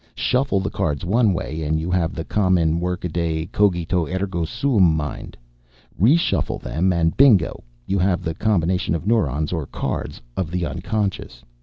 Shuffle the cards one way and you have the common workaday cogito, ergo sum mind. Reshuffle them, and, bingo! you have the combination of neurons, or cards, of the unconscious.